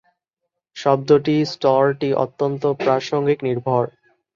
শব্দটি "স্তরটি" অত্যন্ত প্রাসঙ্গিক-নির্ভর।